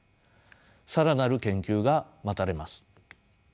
更なる研究が待たれます。